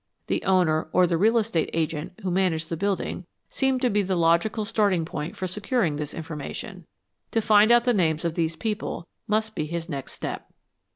The owner, or the real estate agent who managed the building, seemed to be the logical starting point for securing this information. To find out the names of these people must be his next step.